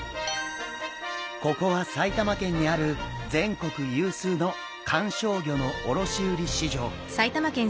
ここは埼玉県にある全国有数の観賞魚の卸売市場。